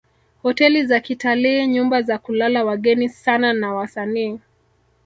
Hoteli za kitalii nyumba za kulala wageni sanaa na wasanii